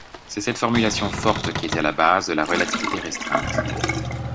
C'est cette formulation forte qui est à la base de la relativité restreinte.